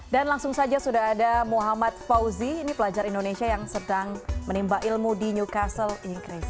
dan langsung saja sudah ada muhammad fauzi pelajar indonesia yang sedang menimba ilmu di newcastle inggris